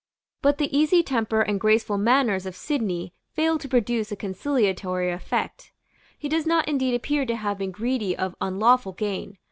But the easy temper and graceful manners of Sidney failed to produce a conciliatory effect. He does not indeed appear to have been greedy of unlawful gain.